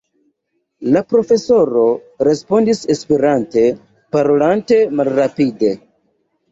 La profesoro respondis Esperante, parolante malrapide: